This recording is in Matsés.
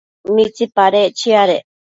¿mitsipadec chiadec